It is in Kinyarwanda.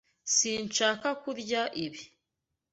Sinshaka kurya ibi.